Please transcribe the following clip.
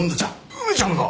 梅ちゃんか？